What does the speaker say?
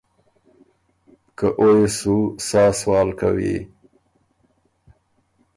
که او يې سُو سا سوال کوی